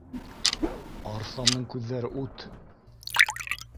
— Арыҫландың күҙҙәре ут